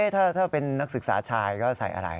ถ้าเป็นนักศึกษาชายก็ใส่อะไร